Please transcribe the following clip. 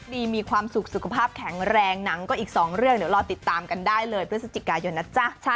มีความสุขสุขภาพแข็งแรงหนังก็อีก๒เรื่องเดี๋ยวรอติดตามกันได้เลยพฤศจิกายนนะจ๊ะ